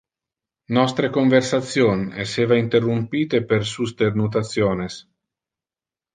Nostre conversation esseva interrumpite per su sternutationes.